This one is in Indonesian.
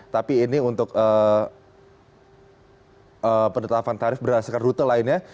tapi ini untuk penetapan tarif berdasarkan rute lainnya